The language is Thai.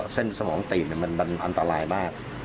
เส้นสมองตีนมันอันตรายมาก